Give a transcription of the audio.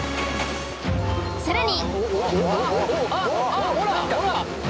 さらに